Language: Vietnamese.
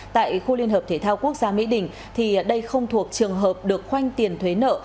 tại khu liên hợp thể thao quốc gia mỹ đình thì đây không thuộc trường hợp được khoanh tiền thuế nợ